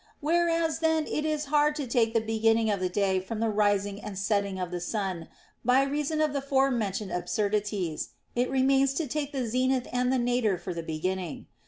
Whereas then it is hard to take the beginning of the day from the rising and setting of the sun, by reason of the forementioned absurdities, it remains to take the zenith and the nadir for the beginning.